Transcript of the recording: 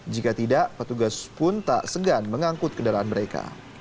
jika tidak petugas pun tak segan mengangkut kendaraan mereka